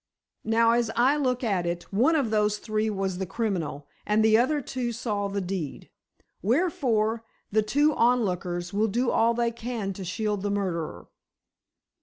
Now, as I look at it—one of those three was the criminal, and the other two saw the deed. Wherefore, the two onlookers will do all they can to shield the murderer."